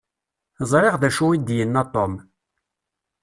Ẓriɣ d acu i d-yenna Tom.